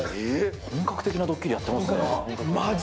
本格的なドッキリやってますまじ